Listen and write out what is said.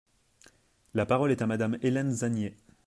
La parole est à Madame Hélène Zannier.